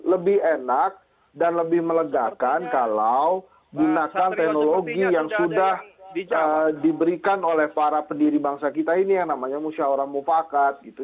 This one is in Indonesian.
lebih enak dan lebih melegakan kalau gunakan teknologi yang sudah diberikan oleh para pendiri bangsa kita ini yang namanya musyawarah mufakat gitu